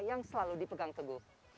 yang selalu dipegang teguh